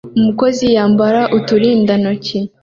Umukozi yambara uturindantoki